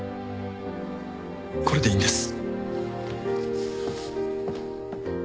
これでいいんです。